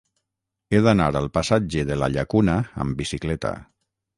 He d'anar al passatge de la Llacuna amb bicicleta.